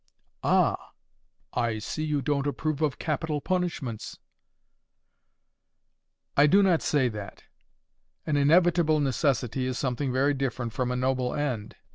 "Ah, I see. You don't approve of capital punishments." "I do not say that. An inevitable necessity is something very different from a noble end.